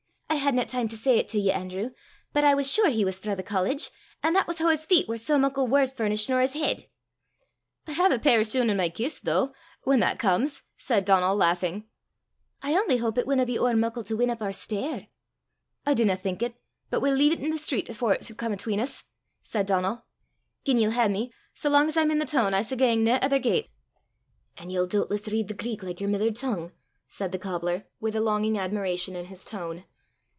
"I hadna time to say 't to ye, Anerew, but I was sure he was frae the college, an' that was hoo his feet war sae muckle waur furnisht nor his heid." "I hae a pair o' shune i' my kist, though whan that comes!" said Donal, laughing. "I only houp it winna be ower muckle to win up oor stair!" "I dinna think it. But we'll lea' 't i' the street afore it s' come 'atween 's!" said Donal. "Gien ye'll hae me, sae lang 's I'm i' the toon, I s' gang nae ither gait." "An' ye'll doobtless read the Greek like yer mither tongue?" said the cobbler, with a longing admiration in his tone.